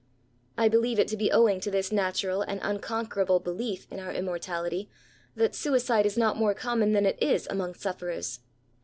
I believe it to be owing to this natural and unconquerable belief in our immor tality, that suicide is not more common than it is among sufferers.